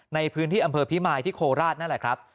ในพื้นที่อำเภอพิมายที่โคราชนั่นแหละครับ